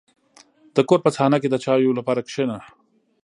• د کور په صحنه کې د چایو لپاره کښېنه.